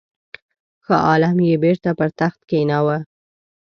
شاه عالم یې بیرته پر تخت کښېناوه.